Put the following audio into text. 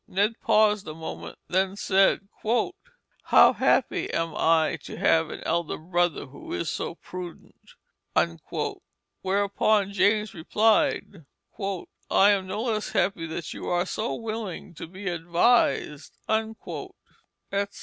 Ned paused a moment, then said, "How happy am I to have an elder brother who is so prudent." Whereupon James replied, "I am no less happy that you are so willing to be advised," etc.